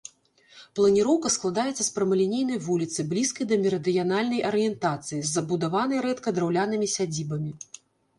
Планіроўка складаецца з прамалінейнай вуліцы, блізкай да мерыдыянальнай арыентацыі, забудаванай рэдка драўлянымі сядзібамі.